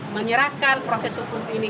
menyerahkan proses hukum ini